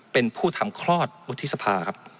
เป็นผู้ทำคลอดวุฒิสภาครับ